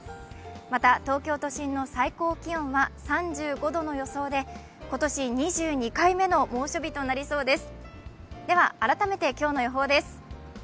また東京都心の最高気温は３５度の予想で今年２２回目の猛暑日となりそうです。